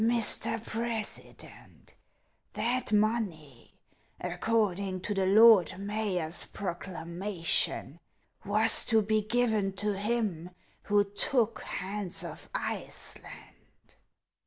" Mr. President, that money, according to the lord mayor's proclamation, was to be given to him who took Hans of Iceland."